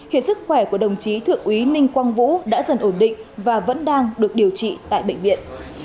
hiện sức khỏe của đồng chí thượng úy ninh quang vũ đã dần ổn định và vẫn đang được điều trị tại bệnh viện